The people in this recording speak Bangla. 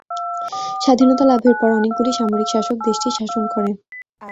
স্বাধীনতা লাভের পর অনেকগুলি সামরিক শাসক দেশটি শাসন করেন।